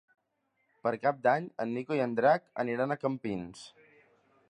Per Cap d'Any en Nico i en Drac aniran a Campins.